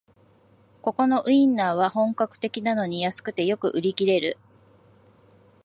ここのウインナーは本格的なのに安くてよく売り切れる